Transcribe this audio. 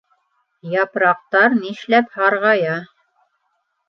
ЯПРАҠТАР НИШЛӘП ҺАРҒАЯ?